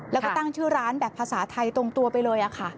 แล้วก็ตั้งชื่อร้านแบบภาษาไทยตรงตัวไปเลยค่ะ